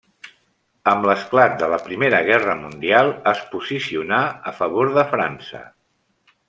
Amb l'esclat de la Primera Guerra Mundial, es posicionà a favor de França.